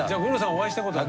お会いしたことある。